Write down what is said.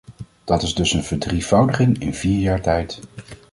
Dat is dus een verdrievoudiging in vier jaar tijd.